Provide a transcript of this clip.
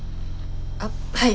あっはい。